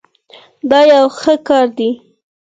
دا یو ښه کار دی.